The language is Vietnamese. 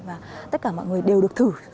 và tất cả mọi người đều được thử